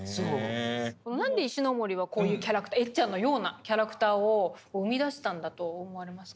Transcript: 何で石森はこういうキャラクターエッちゃんのようなキャラクターを生み出したんだと思われますか？